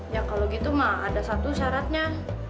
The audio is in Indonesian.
ya kalau gitu mah ada satu syaratnya